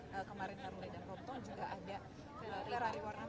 pada kemarin narmada dan robto juga ada